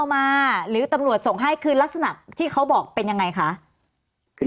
ส่วนการศัลย์สนุกแต่ส่วนของเอกฮจลงทางอีกส่วน